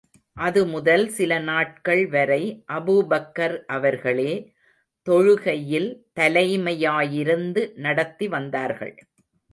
அது முதல் சில நாட்கள் வரை அபூபக்கர் அவர்களே, தொழுகையில் தலைமையாயிருந்து நடத்தி வந்தார்கள்.